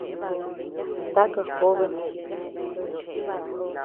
¿A taka jobed?